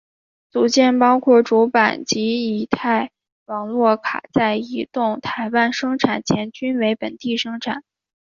组件包括主板及乙太网络卡在移到台湾生产前均为本地生产。